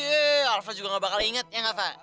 eh alva juga gak bakal inget ya gak fah